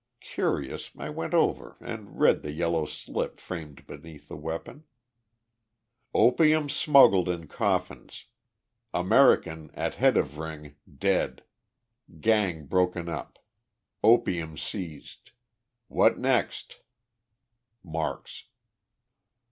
Curious, I went over and read the yellow slip framed beneath the weapon: Opium smuggled in coffins. American, at head of ring, dead. Gang broken up. Opium seized. What next? MARKS.